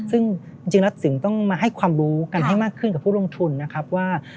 ซึ่งจริงแล้วถึงต้องมาให้ความรู้กันให้มากขึ้นกับผู้ลงทุนนะครับว่า